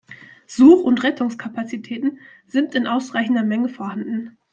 Such- und Rettungskapazitäten sind in ausreichender Menge vorhanden.